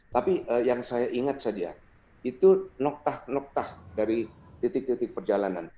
tapi yang saya ingat saja itu noktah noktah dari titik titik perjalanan